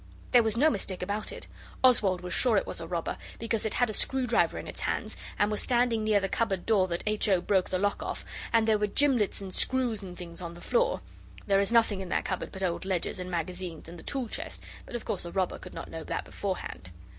There was no mistake about it. Oswald was sure it was a robber, because it had a screwdriver in its hands, and was standing near the cupboard door that H. O. broke the lock off; and there were gimlets and screws and things on the floor. There is nothing in that cupboard but old ledgers and magazines and the tool chest, but of course, a robber could not know that beforehand.